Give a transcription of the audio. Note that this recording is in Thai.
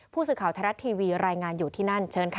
ผู้สื่อข่าวไทยรัฐทีวีรายงานอยู่ที่นั่นเชิญค่ะ